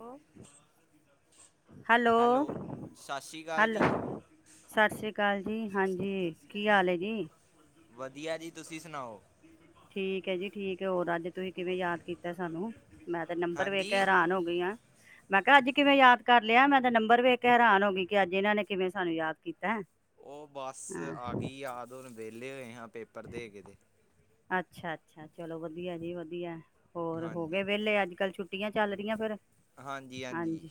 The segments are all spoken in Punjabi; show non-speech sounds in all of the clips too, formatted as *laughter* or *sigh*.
ਹੈਲੋ ਹੈਲੋ ਸਤਿ ਸ਼੍ਰੀ ਅਕਾਲ ਜੀ ਹੈਲੋ ਸਤਿ ਸ਼੍ਰੀ ਅਕਾਲ ਜੀ ਹਾਂਜੀ ਕੀ ਹਾਲ ਏ ਜੀ ਵਧੀਆ ਜੀ ਤੁਸੀਂ ਸੁਣਾਓ ਠੀਕ ਐ ਜੀ ਠੀਕ ਐ ਹੋਰ ਅੱਜ ਤੁਸੀਂ ਕਿਵੇਂ ਯਾਦ ਕੀਤਾ ਸਾਨੂੰ ਮੈਂ ਤੇ ਨੰਬਰ ਵੇਖ ਹਾਂਜੀ ਹੈਰਾਨ ਹੋ ਗਈ ਆ ਮੈਂ ਕਿਹਾ ਅੱਜ ਕਿਵੇਂ ਯਾਦ ਕਰ ਲਿਆ ਮੈਂ ਤਾਂ ਨੰਬਰ ਵੀ ਇੱਕ ਹੈਰਾਨ ਹੋ ਗਈ ਕਿ ਅੱਜ ਇਹਨਾਂ ਨੇ ਕਿਵੇਂ ਸਾਨੂੰ ਯਾਦ ਕੀ ਉਹ ਬੱਸ ਆ ਗਈ ਯਾਦ ਹੁਣ ਵੇ ਲੇ ਹੋਏ ਹਾਂ ਪੇਪਰ ਦੇ ਕੇ ਤੇ ਅੱਛਾ ਅੱਛਾ ਚਲੋ ਵਧੀਆ ਜੀ ਵਧੀਆ ਹੋਰ ਹੋ ਹਾਂਜੀ ਗਏ ਵਿਹਲੇ ਅੱਜ ਕੱਲ੍ਹ ਛੁੱ ਟੀਆਂ ਚੱਲ ਰਹੀਆਂ ਫੇਰ ਹਾਂਜੀ-ਹਾਂਜੀ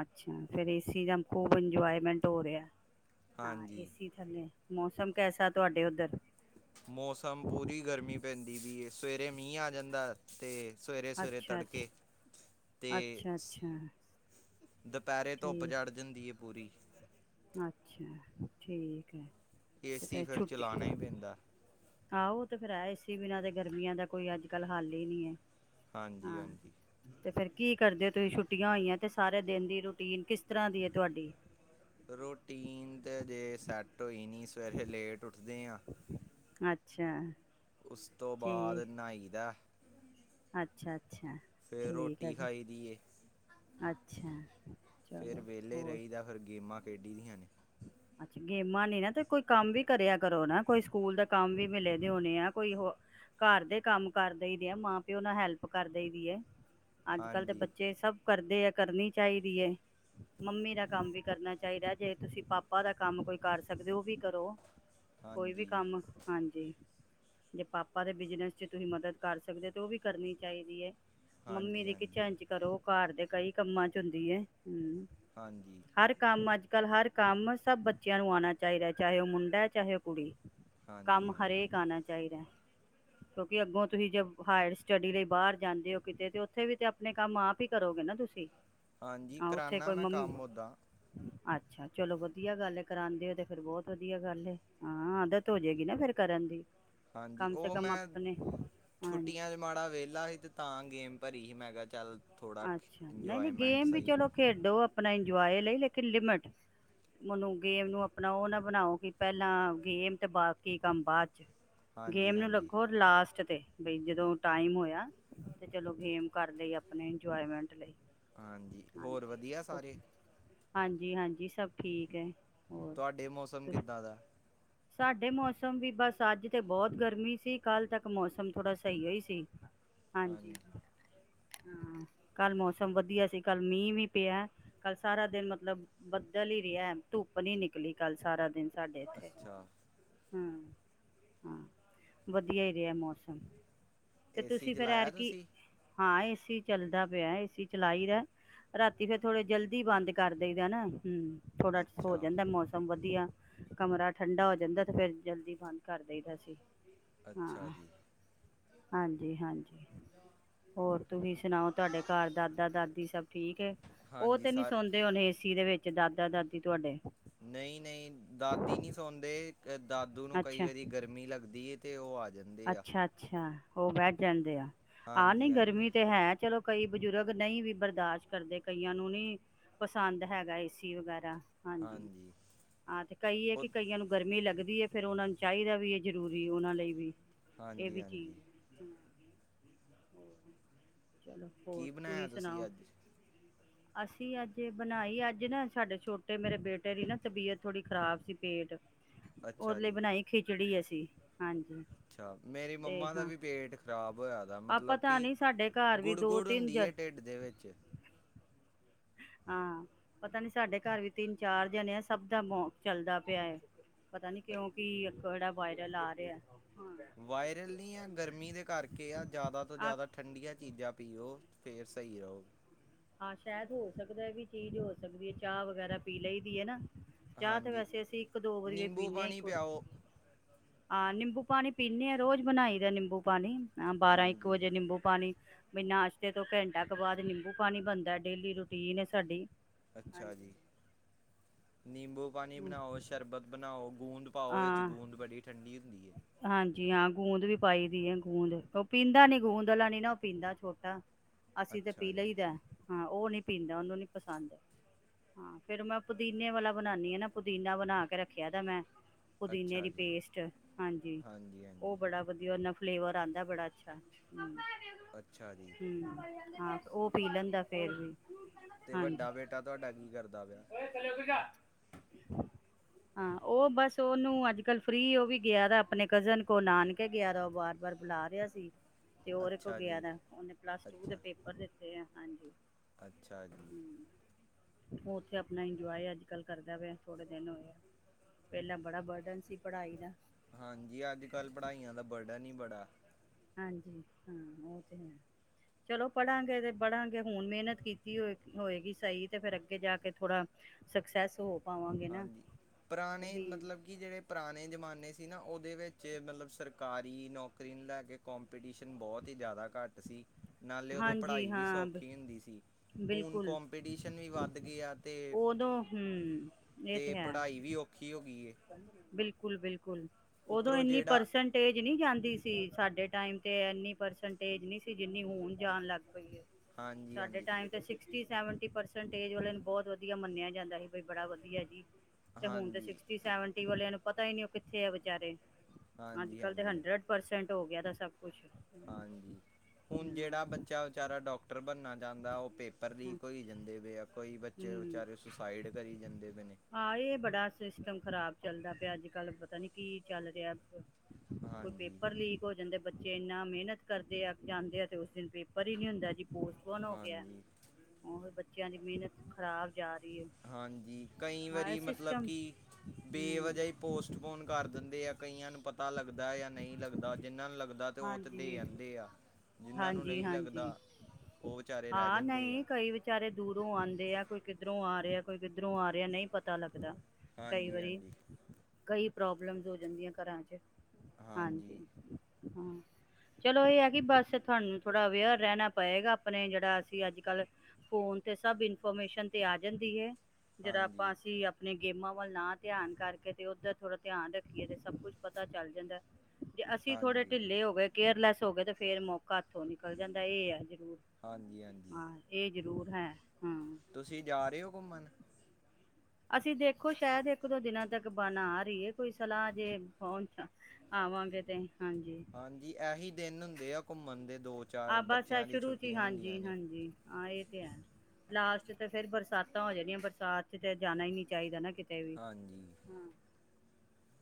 ਅੱਛਾ ਫਿਰ ਏ ਸੀ ਦਾ ਖੂਬ ਇੰਜੋਏਮੈਂਟ ਹੋ ਰਿਹਾ ਹਾਂ ਹਾਂਜੀ ਏਸੀ ਥੱਲੇ ਮੌਸਮ ਕੈਸਾ ਤੁਹਾਡੇ ਉੱਧਰ ਮੌਸਮ ਪੂਰੀ ਗਰਮੀ ਪੈਂਦੀ ਪਈ ਏ ਸਵੇਰੇ ਮੀਂਹ ਆ ਜਾਂਦਾ ਤੇ- ਸਵੇਰੇ-ਸਵੇਰੇ ਅੱਛਾ ਅੱਛਾ ਤੜਕੇ ਤੇ ਅੱਛਾ ਅੱਛਾ ਦ ਪੈਰੇ ਧੁੱਪ ਠੀਕ ਚੜ੍ਹ ਜਾਂਦੀ ਏ ਪੂਰੀ ਅੱਛਾ ਠੀਕ ਐ ਏਸੀ ਫਿਰ ਚਲਾਣਾ ਈ ਪੈਂਦਾ ਆਹੋ ਓ ਤੇ ਫੇਰ ਹੈ ਏੇ ਸੀ ਬਿਨਾਂ ਤੇ ਗਰਮੀਆਂ ਦਾ ਕੋਈ ਅੱਜ ਕੱਲ੍ਹ ਹੱਲ ਹੀ ਨਈ ਐ ਹਾਂਜੀ ਹਾਂ ਹਾਂਜੀ ਤੇ ਫੇਰ ਕੀ ਕਰਦੇ ਹੋ ਤੁਸੀਂ ਛੁੱ ਟੀਆਂ ਹੋਈਆਂ ਤੇ ਸਾਰੇ ਦਿਨ ਦੀ ਰੂਟੀਨ ਕਿਸ ਤਰ੍ਹਾਂ ਦੀ ਏ ਤੁਹਾਡੀ ਰੋਟੀਨ ਤਾਂ ਅਜੇ ਸੈੱਟ ਹੋਈ ਨੀ ਸਵੇਰੇ ਲੇਟ ਉੱਠਦੇ ਆ ਛਾ ਉਸ ਤੋਂ ਬਾਅਦ ਨਾਈਦਾ ਅੱਛਾ ਅੱਛਾ ਫਿਰ ਠੀਕ ਹੈ ਰੋਟੀ ਜੀ ਖਾਈ ਦੀ ਏ ਅੱਛਾ ਫੇਰ ਚਲੋ ਵਿਹਲੇ ਹੋਰ ਰੇਹੀਦਾ ਫਿਰ ਗੇਮਾਂ ਖੇਡੀ ਦੀਆਂ ਨੇ *unintelligible* ਗੇਮਾਂ ਨੀ ਨਾ ਤੇ ਕੋਈ ਕੰਮ ਵੀ ਕਰਿਆ ਕਰੋ ਨਾ ਕੋਈ ਸਕੂਲ ਦਾ ਕੰਮ ਵੀ ਮਿਲੇ ਦੇ ਹੋਣੇ ਆ ਕੋਈ ਹੋ ਘਰ ਦੇ ਕੰਮ ਕਰਦੇ ਆ ਮਾਂ ਪਿਓ ਨਾਲ ਹੈਲਪ ਕਰਦੇ ਦੀ ਆ ਅੱਜ ਕੱਲ੍ਹ ਦੇ ਹਾਂਜੀ ਬੱਚੇ ਸਭ ਕਰਦੇ ਆ ਕਰਨੀ ਚਾਹੀਦੀ ਹੈ ਮੰਮੀ ਦਾ ਕੰਮ ਵੀ ਕਰਨਾ ਚਾਹੀਦਾ ਜੇ ਤੁਸੀਂ ਪਾਪਾ ਦਾ ਕੰਮ ਕੋਈ ਕਰ ਸਕਦੇ ਹੋ ਉਹ ਵੀ ਕਰੋ ਕੋਈ ਵੀ ਹਾਂਜੀ ਕੰਮ ਹਾਂਜੀ ਜੇ ਪਾਪਾ ਦੇ ਬਿਜਨਸ ਚ ਤੁਸੀਂ ਮਦਦ ਕਰ ਸਕਦੇ ਹੋ ਤੇ ਉਹ ਵੀ ਕਰਨੀ ਚਾਹੀਦੀ ਹੈ ਮੰਮੀ ਹਾਂਜੀ ਦੇ ਹਾਂਜੀ ਕਿਚਨ ਚ ਕਰੋ ਘਰ ਦੇ ਕਈ ਕੰਮਾਂ ਚ ਹੁੰਦੀ ਹੈ ਹਮ ਹਾਂਜੀ ਹਰ ਕੰਮ ਅੱਜ ਕੱਲ੍ਹ ਹਰ ਕੰਮ ਸਭ ਬੱਚਿਆਂ ਨੂੰ ਆਉਣਾ ਚਾਹੀਦਾ ਚਾਹੇ ਉਹ ਮੁੰਡਾ ਹੈ ਚਾਹੇ ਉਹ ਕੁੜੀ ਹਾਂਜੀ ਕੰਮ ਹਾਂਜੀ ਹਰੇਕ ਆਣਾ ਚਾਹੀਦਾ ਕਿਉਂਕਿ ਅੱਗੋਂ ਤੁਸੀਂ ਜ ਹਾਇਰ ਸਟੱਡੀ ਲਈ ਬਾਹਰ ਜਾਂਦੇ ਹੋ ਕਿਤੇ ਤੇ ਉੱਥੇ ਵੀ ਤੇ ਆਪਣੇ ਕੰਮ ਆਪ ਹੀ ਕਰੋਗੇ ਨਾ ਤੁਸੀਂ ਹਾਂਜੀ ਹਾਂ ਉੱਥੇ ਕਰਾਨਾ ਕੋਈ ਮੈਂ ਮੰਮੀ ਕੰਮ ਓਦਾਂ ਅੱਛਾ ਚਲੋ ਵਧੀਆ ਗੱਲ ਐ ਕਰਾਂਦੇ ਹੋ ਤੇ ਫੇਰ ਬਹੁਤ ਵਧੀਆ ਗੱਲ ਹੈ, ਹਾਂ ਆਦਤ ਹੋ ਜੇਗੀ ਨਾ ਫੇਰ ਕਰਨ ਦੀ ਹਾਂਜੀ ਕਮ ਸੇ ਉਹ ਕਮ ਮੈਂ ਆਪਣੇ ਹਾਂਜੀ ਛੁੱਟੀਆਂ ਚ ਮਾੜਾ ਵਿਹਲਾ ਸੀ ਤੇ ਤਾਂ ਗੇਮ ਭਰੀ ਸੀ ਮੈਂਕਿਆ ਚੱਲ ਥੋੜ੍ਹਾ ਅੱਛਾ ਨਹੀਂ ਨਹੀਂ ਇੰਜੋਏਮੈਂਟ ਗੇਮ ਵੀ ਸਹੀ ਚਲੋ ਖੇਡੋ ਆਪਣਾ ਇੰਜੋਏ ਲਈ ਲੇਕਿਨ ਲਿਮਿਟ ਮਨੂੰ ਗੇਮ ਨੂੰ ਆਪਣਾ ਉਹ ਨਾ ਬਣਾਓ ਕਿ ਪਹਿਲਾਂ ਗੇਮ ਤੇ ਬਾਕੀ ਕੰਮ ਬਾਅਦ ਚ ਹਾਂਜੀ ਗੇਮ ਨੂੰ ਹਾਂਜੀ ਲੱਗੋ ਲਾਸਟ ਤੇ ਬਈ ਜਦੋਂ ਟਾਈਮ ਹੋਇਆ ਤੇ ਚਲੋ ਗੇਮ ਕਰ ਲਈ ਆਪ ਆਪਣੇ ਇੰਜੋਏਮੈਂਟ ਹਾਂਜੀ ਹੋਰ ਹਾਂਜੀ ਵਧੀਆ ਉਹ- ਸਾਰੇ ਹਾਂਜੀ ਹਾਂਜੀ ਸਭ ਠੀਕ ਹੈ ਤੁਹਾਡੇ ਮੌਸਮ ਹੋਰ ਕਿੱਦਾਂ ਦਾ ਸਾਡੇ ਮੌਸਮ ਵੀ ਬਸ ਅੱਜ ਤੇ ਬਹੁਤ ਗਰਮੀ ਸੀ ਕੱਲ੍ਹ ਤੱਕ ਮੌਸਮ ਥੋੜ੍ਹਾ ਸਹੀਓ ਈ ਸੀ ਹਾਂਜੀ ਹਾਂ ਕੱਲ ਮੌਸਮ ਵਧੀਆ ਸੀ ਕੱਲ ਮੀਂਹ ਵੀ ਪਿਆ ਕੱਲ ਸਾਰਾ ਦਿਨ ਮਤਲਬ ਬੱਦਲ ਹੀ ਰਿਹਾ ਧੁੱਪ ਨੀ ਨਿਕਲੀ ਕੱਲ ਸਾਰਾ ਦਿਨ ਸਾਡੇ ਇੱਥੇ ਅੱਛਾ ਹਾਂ ਹਾਂ ਵਧੀਆ ਹੀ ਰਿਹਾ ਮੌਸਮ ਤੇ ਏਸੀ ਤੁਸੀਂ ਫਿਰ ਚਲਾਇਆ *unintelligible* ਤੁਸੀਂ ਹਾਂ ਏਸੀ ਚੱਲਦਾ ਪਿਆ ਏਸੀ ਚਲਾਈ ਦਾ ਰਾਤੀ ਫੇਰ ਥੋੜੇ ਜਲਦੀ ਬੰਦ ਕਰ ਦੇਈ ਦਾ ਨਾ ਹਮ ਥੋੜ੍ਹਾ ਹੋ ਅੱਛਾ ਜਾਂਦਾ ਮੌਸਮ ਵਧੀਆ ਕਮਰਾ ਠੰਡਾ ਹੋ ਜਾਂਦਾ ਫਿਰ ਜਲਦੀ ਬੰਦ ਕਰਦੇਈ ਦਾ ਅਸੀ ਹਾਂ ਅੱਛਾ ਜੀ ਹਾਂਜੀ ਹਾਂਜੀ ਹੋਰ ਤੁਸੀਂ ਸੁਣਾਓ ਤੁਹਾਡੇ ਘਰ ਦਾਦਾ ਦਾਦੀ ਸਭ ਠੀਕ ਹੈ ਉਹ ਹਾਂਜੀ ਤੇ ਨੀ ਸਰ ਸੌਦੇ ਹੋਣ ਏਸੀ ਦੇ ਵਿੱਚ ਦਾਦਾ ਦਾਦੀ ਤੁਹਾਡੇ ਨਹੀਂ ਨਹੀਂ ਦਾਦੀ ਨਹੀਂ ਸੌਂਦੇ ਦਾਦੂ ਨੂੰ ਕਈ ਅੱਛਾ ਵਾਰੀ ਗਰਮੀ ਲੱਗਦੀ ਹੈ ਅਤੇ ਉਹ ਆ ਜਾਂਦੇ ਆ ਅੱਛਾ ਅੱਛਾ ਉਹ ਬਹਿ ਜਾਂਦੇ ਆ ਆਹ ਨਹੀਂ ਹਾਂਜੀ ਹਾਂਜੀ ਗਰਮੀ ਤੇ ਹੈ ਚਲੋ ਕਈ ਬਜ਼ੁਰਗ ਨਹੀਂ ਵੀ ਬਰਦਾਸ਼ਤ ਕਰਦੇ ਕਈਆਂ ਨੂੰ ਨਹੀਂ ਪਸੰਦ ਹੈਗਾ ਏ ਸੀ ਵਗੈਰਾ ਹਾਂਜੀ ਹਾਂ ਤੇ ਕਈ ਹੈ ਉਹ ਕਿ ਕਈਆਂ ਨੂੰ ਗਰਮੀ ਲੱਗਦੀ ਫਿਰ ਉਹਨਾਂ ਨੂੰ ਚਾਹੀਦਾ ਵੀ ਇਹ ਜ਼ਰੂਰੀ ਉਹਨਾਂ ਲਈ ਵੀ ਇਹ ਹਾਂਜੀ ਵੀ ਚੀਜ਼ ਹਾਂਜੀ ਹੈ ਹੋਰ ਚਲੋ ਹੋਰ ਕੀ ਤੁਸੀ ਬਣਾਇਆ ਤੁਸੀਂ ਸੁਣਾਓ ਅੱਜ ਅਸੀਂ ਅੱਜ ਬਣਾਈ ਅੱਜ ਨਾ ਸਾਡੇ ਛੋਟੇ ਮੇਰੇ ਬੇਟੇ ਦੀ ਨਾ ਤਬੀਅਤ ਥੋੜੀ ਖਰਾਬ ਸੀ ਪੇਟ ਉਸ ਅੱਛਾ ਲਈ ਜੀ ਬਣਾਈ ਖਿਚੜੀ ਅਸੀ ਹਾਂਜੀ ਅੱਛਾ ਮੇਰੀ ਤੇ ਮੰਮਾ ਦਾ ਹਾਂ ਵੀ ਪੇਟ ਖ਼ਰਾਬ ਹੋਇਆ ਦਾ ਆਹ ਮਤਲਬ ਪਤਾ ਕਿ ਨੀ ਸਾਡੇ ਘਰ ਵੀ ਗੁੜ ਦੋ ਗੁੜ ਤਿੰਨ ਜ ਹੁੰਦੀ ਹੈ ਢਿੱਡ ਦੇ ਵਿੱਚ ਹਾਂ ਪਤਾ ਨੀ ਸਾਡੇ ਘਰ ਵੀ ਤਿੰਨ ਚਾਰ ਜਣੇ ਆ ਸਭ ਦਾ ਮੌ ਚੱਲਦਾ ਪਿਆ ਹੈ ਪਤਾ ਨੀ ਕਿਉਂ ਕੀ ਇੱਕ ਕਿਹੜਾ ਵਾਇਰਲ ਆ ਰਿਹਾ ਹਾਂ ਵਾਇਰਲ ਨਹੀਂ ਆ ਗਰਮੀ ਦੇ ਕਰਕੇ ਆ ਜ਼ਿਆਦਾ ਤੋਂ ਆ ਜ਼ਿਆਦਾ ਠੰਡੀਆਂ ਚੀਜ਼ਾਂ ਪੀਓ ਫਿਰ ਸਹੀ ਰਹੋ ਹਾਂ ਸ਼ਾਇਦ ਹੋ ਸਕਦਾ ਵੀ ਚੀਜ਼ ਹੋ ਸਕਦੀ ਹੈ ਚਾਹ ਵਗੈਰਾ ਪੀ ਲਈ ਦੀ ਹੈ ਨਾ ਚਾਹ ਤੇ ਹਾਂਜੀ ਵੈਸੇ ਅਸੀਂ ਇੱਕ ਦੋ ਵਾਰੀ ਨਿੰਬੂ ਪੀਦੇ ਹਾਂ ਪਾਣੀ ਇੱਕ ਪਿਆਓ ਹਾਂ ਨਿੰਬੂ ਪਾਣੀ ਪੀਂਦੇ ਹਾਂ ਰੋਜ਼ ਬਣਾਈ ਦਾ ਨਿੰਬੂ ਪਾਣੀ ਬਾਰਾਂ ਇੱਕ ਹਾਂਜੀ ਵਜੇ ਨਿੰਬੂ ਪਾਣੀ ਵੀ ਨਾਸ਼ਤੇ ਤੋਂ ਘੰਟਾ ਕੁ ਬਾਅਦ ਨਿੰਬੂ ਪਾਣੀ ਬਣਦਾ ਡੇਲੀ ਰੂਟੀਨ ਹੈ ਸਾਡੀ ਅੱਛਾ ਜੀ ਹਾਂਜੀ ਨਿੰਬੂ ਪਾਣੀ ਬਣਾਓ ਸ਼ਰਬਤ ਬਣਾਓ ਬੂੰਦ ਪਾਓ ਵਿੱਚ ਹਾਂ ਗੂੰਦ ਬੜੀ ਠੰਡੀ ਹੁੰਦੀ ਹੈ ਹਾਂਜੀ ਹਾਂ ਗੂੰਦ ਵੀ ਪਾਈ ਦੀ ਹੈ ਗੂੰਦ ਉਹ ਪੀਂਦਾ ਨੀ ਗੂੰਦ ਵਾਲਾ ਨੀ ਨਾ ਉਹ ਪੀਂਦਾ ਛੋਟਾ। ਅਸੀਂ ਤਾਂ ਅੱਛਾ ਪੀਲਾ ਜੀ ਹੀ ਦਾ ਹਾਂ ਉਹ ਨੀ ਪੀਂਦਾ ਉਹਨੂੰ ਨੀ ਪਸੰਦ ਹਾਂ ਫੇਰ ਮੈਂ ਪੁਦੀਨੇ ਵਾਲਾ ਬਣਾਉਾਨਦੀ ਹ ਨਾ ਪੁਦੀਨਾ ਬਣਾ ਕੇ ਰੱਖਿਆ ਤਾਂ ਮੈਂ ਪੁਦੀਨੇ ਅੱਛਾ ਦੀ ਜੀ ਪੇਸਟ ਹਾਂਜੀ, ਉਹ ਬੜਾ ਵਧੀਆ ਨ ਫਲੇਵਰ ਆਂਦਾ ਬੜਾ ਅੱਛਾ ਹ ਅੱਛਾ ਜੀ ਹ ਹਾਂ ਉਹ ਪੀ ਲੈਂਦਾ ਫੇਰ ਵੀ ਤੇ ਹਾਂਜੀ ਵੱਡਾ ਬੇਟਾ ਤੁਹਾਡਾ ਕੀ ਕਰਦਾ ਪਿਆ ਹਾਂ ਉਹ ਬਸ ਸ ਉਹਨੂੰ ਅੱਜ ਕੱਲ੍ਹ ਫਰੀ ਉਹ ਵੀ ਗਿਆ ਦਾ ਆਪਣੇ ਕਜ਼ਨ ਕੋਲ ਨਾਨਕੇ ਗਿਆ ਦਾ ਉਹ ਵਾਰ ਵਾਰ ਬੁਲਾ ਰਿਹਾ ਸੀ। ਤੇ ਹੋਰ ਇੱਕ ਅੱਛਾ ਗਿਆ ਜੀ ਦਾ ਉਹਹਨੇ ਪਲੱਸ ਟੂ ਦੇ ਅੱਛਾ ਪੇਪਰ ਦਿੱਤੇ ਆ ਹਾਂਜੀ ਅੱਛਾ ਜੀ ਹਮ ਉੱਥੇ ਆਪਣਾ ਇੰਜੋਏ ਅੱਜ ਕੱਲ ਕਰਦਾ ਪਿਆ ਥੋੜੇ ਦਿਨ ਹੋਏ ਪਹਿਲਾਂ ਬੜਾ ਬਰਡਨ ਸੀ ਪੜ੍ਹਾਈ ਦਾ ਹਾਂਜੀ ਅੱਜ ਕੱਲ ਪੜ੍ਹਾਈਆਂ ਦਾ ਵੜਨੀ ਬੜਾ ਹਾਂਜੀ ਹਾਂ ਉਹ ਤੇ ਹੈ ਚਲੋ ਪੜਾਂਗੇ ਤੇ ਪੜਾਂਗੇ ਹੁਣ ਮਿਹਨਤ ਕੀਤੀ ਹੋ ਹੋਏਗੀ ਸਹੀ ਤੇ ਫਿਰ ਅੱਗੇ ਜਾ ਕੇ ਥੋੜਾ ਸਕਸੈਸ ਹੋ ਪਾਵਾਂਗੇ ਨਾ ਹਾਂਜੀ ਪੁਰਾਣੇ ਇਹੀ ਹੈ। ਮਤਲਬ ਕਿ ਜਿਹੜੇ ਪੁਰਾਣੇ ਜਮਾਨੇ ਸੀ ਨਾ ਉਹਦੇ ਵਿੱਚ ਮਤਲਬ ਸਰਕਾਰੀ ਨੌਕਰੀ ਨੂੰ ਲੈ ਕੇ ਕੋਂਪੀਟੀਸ਼ਨ ਬਹੁਤ ਹੀ ਜ਼ਿਆਦਾ ਘੱਟ ਸੀ ਨਾਲੇ ਉਦੋਂ ਹਾਂਜੀ ਪੜ੍ਹਾਈ ਵੀ ਹਾਂ ਬ- ਸੌਖੀ ਹੁੰਦੀ ਸੀ ਹੁਣ ਬਿਲਕੁਲ ਕੋਂਪੀਟੀਸ਼ਨ ਵੀ ਵੱਧ ਗਿਆ ਤੇ ਉਦੋਂ ਹਮ ਇਹ ਤੇ ਹੈ ਪੜ੍ਹਾਈ ਵੀ ਔਖੀ ਹੋਈ ਬਿਲਕੁਲ। ਬਿਲਕੁਲ। ਉਦੋਂ ਉੱਪਰੋਂ ਇੰਨੀ ਜਿਹੜਾ ਪਰਸੈਂਟੇਜ ਨਹੀਂ ਜਾਂਦੀ ਸੀ ਸਾਡੇ ਟਾਈਮ ਤੇ ਇੰਨੀ ਪਰਸੈਂਟੇਜ ਨਹੀਂ ਸੀ ਜਿੰਨੀ ਹੋਣ ਜਾਣ ਲੱਗ ਪਈ ਹੈ। ਹਾਂਜੀ ਸਾਡੇ ਹਾਂਜੀ ਟਾਈਮ ਤੇ ਸ ਸ ਨੂੰ ਬਹੁਤ ਵਧੀਆ ਮੰਨਿਆ ਜਾਂਦਾ ਸੀ ਬ ਬੜਾ ਵਧੀਆ ਜੀ‌। ਹਾਂਜੀ। ਆੰਟੀ ਵਾਲਿਆਂ ਨੂੰ ਪਤਾ ਹੀ ਨੀ ਉਹ ਕਿੱਥੇ ਆ ਵਿਚਾਰੇ ਅੱਜ ਹਾਂਜੀ ਕਲ ਤੇ ਹਾਂਜੀ ਹੰਡਰਡ ਪਰਸੈਂਟ ਹੋ ਗਿਆ। ਦ ਸਭ ਕੁਛ ਹਾਂਜੀ ਹਮ ਹੁਣ ਹਾਂ, ਜਿਹੜਾ ਬੱਚਾ ਵਿਚਾਰਾ ਡਾਕਟਰ ਬਣਨਾ ਚਾਹੁੰਦਾ ਉਹ ਪੇਪਰ ਹਾਂ, ਲੀਕ ਹੋਈ ਜਾਂਦੇ ਵ ਕੋਈ ਬੱਚੇ ਹਮ ਵਿਚਾਰੇ ਸੁਸਾਈਡ ਕਰੀ ਜਾਂਦੇ ਪਏ ਨੇ ਆਹ ਇਹ ਬੜਾ ਸਿਸਟਮ ਖਰਾਬ ਚੱਲਦਾ ਪਿਆ ਅੱਜ ਕੱਲ ਪਤਾ ਨੀ ਕੀ ਚੱਲ ਰਿਹਾ। ਕੋਈ ਹਾਂਜੀ ਪੇਪਰ ਲੀਕ ਹੋ ਜਾਂਦੇ ਬੱਚੇ ਇੰਨਾ ਮਿਹਨਤ ਕਰਦੇ ਆ ਜਾਂਦੇ ਆ ਤੇ ਉਸ ਦਿਨ ਪੇਪਰ ਹੀ ਨੀ ਹੁੰਦਾ ਜੀ ਪੋਸਟਬੋਨ ਹੋ ਗਿਆ ਹਾਂਜੀ ਉਹ ੱਚਿਆਂ ਦੀ ਮਿਹਨਤ ਖ਼ਰਾਬ ਯਾਦ ਹਾਂਜੀ ਕਈ ਵਾਰੀ ਮਤਲਬ ਸਿਸਟਮ ਕਿ ਹਮ ਬੇਵਜਹੀ ਪੋਸਟਪੋਨ ਕਰ ਦਿੰਦੇ ਆ ਕਈਆਂ ਨੂੰ ਪਤਾ ਲੱਗਦਾ ਜਾਂ ਨਹੀਂ ਲੱਗਦਾ ਜਿਹਨਾਂ ਨੂੰ ਲੱਗਦਾ। ਹਾਂਜੀ *unintelligible* ਨੂੰ ਹਾਂਜੀ ਨਹੀਂ ਹਾਂਜੀ ਲੱਗਦਾ ਉਹ ਵਿਚਾਰੇ ਰਹਿ ਹਾਂ ਜਾਂਦੇ ਆ ਨਹੀਂ ਕਈ ਵਿਚਾਰੇ ਦੂਰੋਂ ਆਉਂਦੇ ਆ ਕੋਈ ਕਿੱਧਰੋਂ ਆ ਰਹਾ, ਕਿੱਧਰੋਂ ਆ ਰਿਹਾ ਨਹੀਂ ਪਤਾ ਲੱਗਦਾ ਕਈ ਹਾਂਜੀ ਵਾਰੀ ਹਾਂਜੀ ਕਈ ਪ੍ਰੋਬਲਮਸ ਹੋ ਜਾਂਦੀਆਂ ਘਰਾਂ 'ਚ ਹਾਂਜੀ ਹਾਂ ਚਲੋ ਇਹ ਹੈ ਕਿ ਬੱਸ ਤੁਹਾਨੂੰ ਥੋੜ੍ਹਾ ਅਵੇਅਰ ਰਹਿਣਾ ਪਏਗਾ ਆਪਣੇ ਜਿਹੜਾ ਅਸੀਂ ਅੱਜ ਕੱਲ੍ਹ ਫੋਨ 'ਤੇ ਸਭ ਇਨਫੋਰਮੇਸ਼ਨ 'ਤੇ ਆ ਜਾਂਦੀ ਹੈ। ਜਿਹੜਾ ਆਪਾਂ ਹਾਂਜੀ ਅਸੀਂ ਆਪਣੇ ਗੇਮਾਂ ਵੱਲ ਨਾ ਧਿਆਨ ਕਰਕੇ ਤੇ ਉਧਰ ਥੋੜ੍ਹਾ ਧਿਆਨ ਰੱਖੀਏ ਤੇ ਸਭ ਕੁਛ ਪਤਾ ਚੱਲ ਜਾਂਦਾ। ਜੇ ਅਸੀਂ ਥੋੜੇ ਹਾਂਜੀ ਢਿੱਲੇ ਹੋ ਗਏ। ਕੇਅਰਲੈਸ ਹੋਏ ਤੇ ਫੇਰ ਮੌਕੇ ਕੱਥੋਂ ਨਿਕਲ ਜਾਂਦਾ। ਇਹ ਆ ਜ਼ਰੂਰ ਹਾਂਜੀ ਹਾਂਜੀ ਹਾਂ ਇਹ ਜ਼ਰੂਰ ਹੈ ਹਮ ਤੁਸੀਂ ਜਾ ਰਹੇ ਹੋ ਘੁੰਮਣ ਅਸੀਂ ਦੇਖੋ ਸ਼ਾਇਦ ਇੱਕ ਦੋ ਦਿਨਾਂ ਤੱਕ ਬਣਆ ਰਹੀ ਹੈ, ਕੋਈ ਸਲਾਹ ਜੇ ਪਹੁਚ ਆਵਾਂਗੇ ਤੇ ਹਾਂਜੀ ਇਹੀ ਦਿਨ ਹੁੰਦੇ ਆ ਘੁੰਮਣ ਦੇ ਦੋ ਆ ਚਾਰ ਬਸ ਹੈ ਬੱਚਿਆਂ ਦੀ ਸ਼ੁਰੂ ਸੀ ਛੁੱਟੀਆਂ ਹਾਂਜੀ ਹੁੰਦੀਆਂ ਨੇ ਹਾਂਜੀ ਹਾਂ ਇਹ ਤੇ ਹੈ ਲਾਸਟ ਤਾਂ ਫੇਰ ਬਰਸਾਤਾਂ ਹੋ ਜਾਣੀਆਂ ਬਰਸਾਤ ਚ ਤਾਂ ਜਾਣਾ ਹੀ ਨਹੀਂ ਚਾਹੀਦਾ ਨਾ ਕਿਤੇ ਤੇ ਵੀ ਹਾਂਜੀ ਹਮ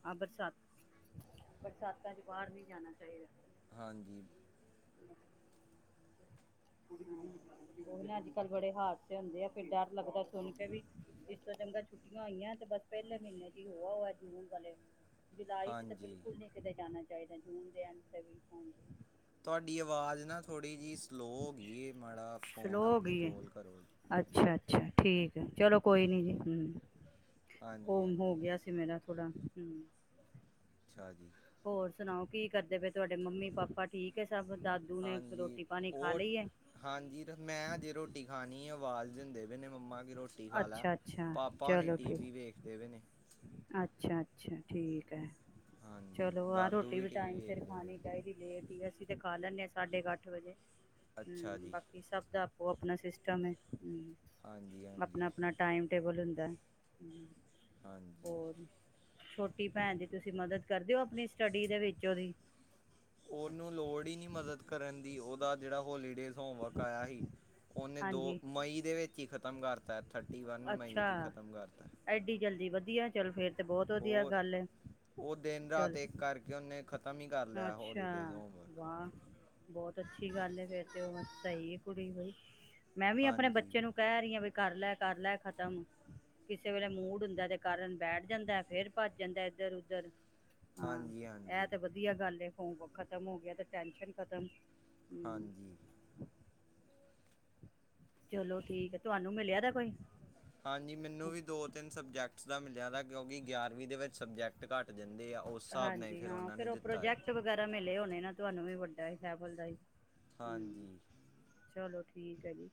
ਹਾਂ ਬਰਸਾਤ ਬਰਸਾਤਾਂ ਚ ਬਾਹਰ ਨਹੀਂ ਜਾਣਾ ਚਾਹੀਦਾ ਹਾਂਜੀ ਉਹ ਨਾ ਅੱਜ ਕੱਲ੍ਹ ਬੜੇ ਹਾਦਸੇ ਹੁੰਦੇ ਆ ਫਿਰ ਡਰ ਲੱਗਦਾ ਸੁਣ ਕੇ ਵੀ ਇਸ ਤੋਂ ਚੰਗਾ ਛੁੱਟੀਆਂ ਹੋਈਆਂ ਤੇ ਬਸ ਪਹਿਲੇ ਮਹੀਨੇ ਚ ਹੀ ਹੋ ਹੋ ਜੂਨ ਵਾਲੇ ਜੁਲਾਈ ਚ ਤਾਂ ਹਾਂਜੀ ਬਿਲਕੁਲ ਨਹੀਂ ਕਿਤੇ ਜਾਣਾ ਚਾਹੀਦਾ ਜੂਨ ਦੇ ਐਂਡ ਵੀ ਹੋਗੇ ਤੁਹਾਡੀ ਆਵਾਜ਼ ਨਾ ਥੋੜ੍ਹੀ ਜਿਹੀ ਸਲੋਅ ਹੋ ਗਈ ਮਾੜਾ ਫ਼ੋਨ ਸਲੋ ਹੋ ਆਪਣੇ ਗਈ ਹੈ ਕੋਲ ਕਰੋ ਅੱਛਾ ਅੱਛਾ ਠੀਕ ਹੈ ਚਲੋ ਕੋਈ ਨਹੀਂ ਜੀ ਹਾਂਜੀ ਉਹ ਹੋ ਹਾਂਜੀ ਗਿਆ ਸੀ ਮੇਰਾ ਕੜਾ ਹਮ ਅੱਛਾ ਜੀ ਹੋਰ ਸੁਣਾਓ ਕੀ ਕਰਦੇ ਪਏ ਤੁਹਾਡੇ ਮੰਮੀ ਪਾਪਾ ਠੀਕ ਹੈ। ਸਭ ਦਾਦੂ ਨੇ ਹਾਂਜੀ ਰੋਟੀ ਪਾਣੀ ਖਾ ਉਹ ਲਈ ਹੈ। ਹਾਂਜੀ ਮੈਂਜੇ ਰੋਟੀ ਖਾਣੀ ਆ ਆਵਾਜ਼ ਦੇਵੇ ਨੇ ਮੰਮਾ ਰੋਟੀ ਖਾ ਲੈ ਅੱਛਾ, ਅੱਛਾ ਪਾਪਾ ਨੇ ਚਲੋ ਟੀ ਠੀ ਵੀ ਵੇਖਦੇ ਪਏ ਨੇ ਅੱਛਾ, ਅੱਛਾ। ਠੀਕ ਹੈ। ਹਾਂਜੀ ਚਲੋ ਆਹ ਦਾਦੂ ਰੋਟੀ ਵੀ ਟੀਵੀ ਟਾਈਮ ਸਿਰ ਵੇਖਦੇ ਪਏ ਖਾਣੀ ਚਾਹੀਦੀ ਲੇਟ ਹੀ ਅਸੀਂ ਤੇ ਖਾ ਲੈਂਦੇ ਹਾਂ। ਸਾਢੇ ਕੁ ਅੱਠ ਵਜੇ ਅੱਛਾ ਹਮ ਜੀ ਬਾਕੀ ਸਭ ਦਾ ਉਹ ਆਪਣਾ ਸਿਸਟਮ ਹੈ। ਹਾਂਜੀ ਆਪਣਾ ਹਾਂਜੀ -ਆਪਣਾ ਟਾਈਮ ਟੇਬਲ ਹੁੰਦਾ। ਹਮ। ਹਾਂਜੀ ਹੋਰ ਛੋਟੇ ਰੋਟੀ ਪੈਣ ਦੀ ਤੁਸੀਂ ਮਦਦ ਕਰਦੇਓ ਆਪਣੀ ਸਟੱਡੀ ਦੇ ਵਿੱਚ ਉਹਦੀ ਉਹਨੂੰ ਲੋੜ ਹੀ ਨਹੀਂ ਮਦਦ ਕਰਨ ਦੀ ਉਹਦਾ ਜਿਹੜਾ ਉਹ ਲੇਡੀੇ ਹੋਮਵਰਕ ਆਇਆ ਸੀ ਉਹਨੇ ਦੋ ਹਾਂਜੀ। ਮਈ ਦੇ ਵਿੱਚ ਖਤਮ ਕਰਤਾ ਹੈਥ ਅੱਛਾ ਐਡੀ ਜਲਦੀ ਵਧੀਆ। ਚੱਲ ਫਿਰ। ਹੋਰ ਉਹ ਦਿਨ ਰਾਤ ਚਲ ਇੱਕ ਕਰਕੇ ਉਹਨੇ ਖ਼ਤਮ ਹੀ ਕਰ ਲਿਆ ਹੋਲੀਡੇਜ਼ ਅੱਛਾ, ਹੋਮਵਰਕ ਵਾਹ! ਬਹੁਤ ਅੱਛੀ ਗੱਲ ਹੈ ਫੇਰ ਤੇ ਉਹ ਜਾਹੀ ਕੁੁਰੀਈ। ਮੈਂ ਵੀ ਆਪਣੇ ਹਾਂਜੀ ਬੱਚੇ ਨੂੰ ਕਹਿ ਰਹੀ ਹਾਂ ਵੀ ਕਰ ਲੈ ਕਰ ਲੈ ਖਤਮ ਕਿਸੇ ਵੇਲੇ ਮੂਡ ਹੁੰਦਾ ਦੇ ਕਾਰਨ ਬੈਠ ਜਾਂਦਾ ਫੇਰ ਭੱਜ ਜਾਂਦਾ ਇੱਧਰ ਉੱਧਰ ਹਾਂਜੀ -ਹਾਂਜੀ। ਵਧੀਆ ਗੱਲ ਫ ਖਤਮ ਹੋ ਗਿਆ ਤੇ ਟੈਨ ਖਤਮ ਹੂੰ। ਹਾਂਜੀ। ਚਲੋ ਠੀਕ ਹੈ ਤੁਹਾਨੂੰ ਮਿਲਿਆ ਦਾ ਕੋਈ ਹਾਂਜੀ ਮੈਨੂੰ ਵੀ ਦੋ ਤਿੰਨ ਸਬਜੈਕਟਸ ਦਾ ਮਿਲ ਜਿਆਦਾ ਕਿਉਂਕਿ ਗਿਆਰਵੀਂ ਦੇ ਵਿੱਚ ਸਬਜੈਕਟ ਘੱਟ ਜਾਂਦਾ। ਹਾਂਜੀ ਹਾਂ ਫੇਰ ਉਹ ਹੈ ਪ੍ਰੋਜੈਕਟ ਵਗੈਰਾ ਮਿਲੇ ਹੋਣੇ ਨਾ ਤੁਹਾਨੂੰ ਵੀ ਵੱਡ ਸ਼ਹਿਬ ਬਲਦਾ ਹੀ ਹਾਂਜੀ। ਠੀਕ ਹੈ ਜੀ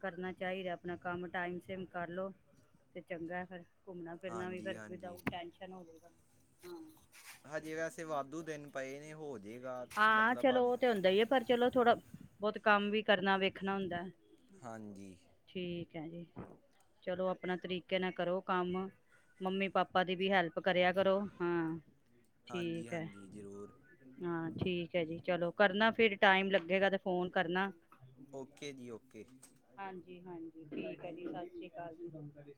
ਕਰਨਾ ਚਾਹੀਦਾ ਆਪਣਾ ਕੰਮ ਟਾਈਮ ਸੇਮ ਕਰ ਲਉ ਤੇ ਚੰਗਾ ਫਿਰ ਘੁੰਮਣਾ ਫਿਰਨਾ ਵੀ ਹਾਂਜੀ ਫ ਹਾਂਜੀ ਹੋਗਾ। ਹਾਂ। ਹਜੇ ਵੈਸੇ ਵਾਧੂ ਦਿਨ ਪਏ ਨੇ ਹੋ। ਜਾਏਗਾ ਹਾਂ ਮਤਲਬ ਚਲੋ ਉਹ ਤੇ ਹੁੰਦਾ ਹੀ ਹੈ ਪਰ ਚਲੋ ਥੋੜਾ ਬਹੁਤ ਕੰਮ ਵੀ ਕਰਨਾ ਵੇਖਣਾ ਹੁੰਦਾ ਹਾਂਜੀ ਕਹਿੰਦੇ ਚਲੋ ਆਪਣਾ ਤਰੀਕੇ ਨਾਲ ਕਰੋ ਕੰਮ ਮੰਮੀ ਪਾਪਾ ਦੀ ਵੀ ਹੈਲਪ ਕਰਿਆ ਕਰੋ ਹ ਹਾਂਜੀ ਠੀਕ ਹੈ ਹਾਂਜੀ ਜ਼ਰੂਰ ਹਾਂ ਠੀਕ ਹੈ ਜੀ ਚਲੋ ਕਰਨਾ ਫਿਰ ਟਾਈਮ ਲਗੇਗਾ ਤੇ ਫੋਨ ਕਰਨਾ, ਓਕੇ ਜੀ ਓਕੇ ਹਾਂਜੀ ਹਾਂਜੀ ਠੀਕ ਹੈ ਜੀ ਸਤਿ ਸ੍ਰੀ ਅਕਾਲ।